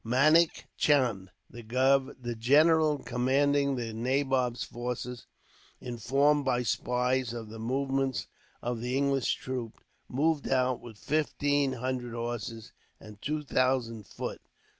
Manak Chand, the general commanding the nabob's forces, informed by spies of the movements of the English troops, moved out with fifteen hundred horses and two thousand foot.